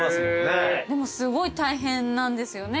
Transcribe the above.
でもすごい大変なんですよね